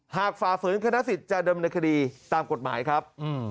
ฝ่าฝืนคณะสิทธิ์จะดำเนินคดีตามกฎหมายครับ